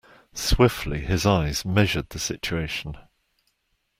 Swiftly his eyes measured the situation.